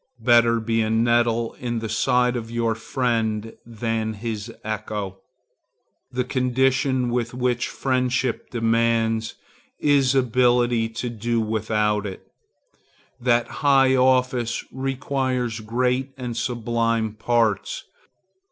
Better be a nettle in the side of your friend than his echo. The condition which high friendship demands is ability to do without it. That high office requires great and sublime parts.